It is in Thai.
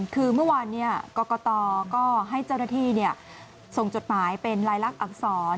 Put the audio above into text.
คือเมื่อวานกรกตก็ให้เจ้าหน้าที่ส่งจดหมายเป็นลายลักษณอักษร